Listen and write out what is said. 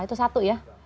itu satu ya